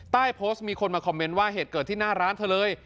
ใต้โพสต์มีคนมาคอมเมนต์ว่าเหตุเกิดที่หน้าร้านเธอเลย